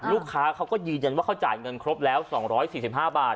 อ่าลูกค้าเขาก็ยืนยันว่าเขาจ่ายเงินครบแล้วสองร้อยสี่สิบห้าบาท